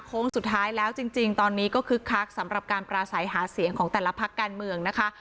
โค้งสุดท้ายแล้วจริงตอนนี้ก็คึกคักสำหรับการปราศัยหาเสียงของแต่ละพักการเมืองนะคะ